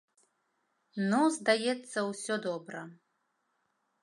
Ну, здаецца, усё добра.